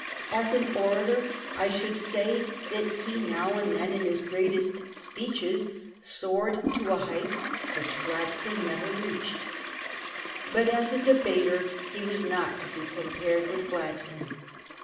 As an orator, I should say that he now and then in his greatest speeches soared to a height which Gladstone never reached. But as a debater he was not to be compared with Gladstone.